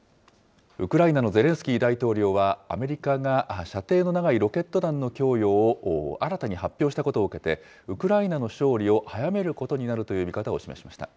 ウクライナのゼレンスキー大統領は、アメリカが射程の長いロケット弾の供与を新たに発表したことを受けて、ウクライナの勝利を早めることになるという見方を示しました。